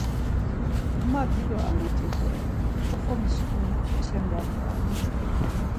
Ma dido anaç̌i bore, koxomişkvana xeşen gamt̆are.